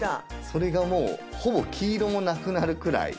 それがもうほぼ黄色もなくなるくらい。